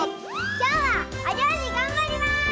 きょうはおりょうりがんばります！